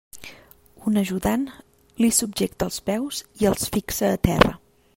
Un ajudant li subjecta els peus i els fixa a terra.